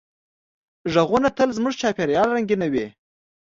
غږونه تل زموږ چاپېریال رنګینوي.